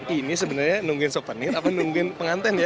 ini sebenarnya nungguin souvenir apa nungguin pengantin ya